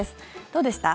どうでした？